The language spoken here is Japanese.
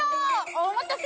お待たせ！